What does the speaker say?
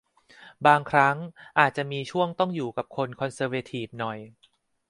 บางครั้งอาจจะมีช่วงต้องอยู่กับคนคอนเซอร์เวทีฟหน่อย